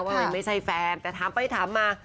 ไม่ใช่แฟนแต่ถามไปถามมา